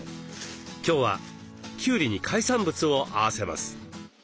今日はきゅうりに海産物を合わせます。